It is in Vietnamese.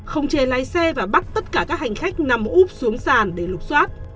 không chế lái xe và bắt tất cả các hành khách nằm úp xuống sàn để lục xoát